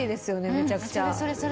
めちゃくちゃ。